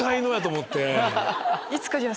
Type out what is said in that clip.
いつか。